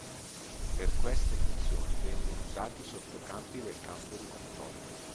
Per queste funzioni vengono usati i sottocampi del campo di controllo.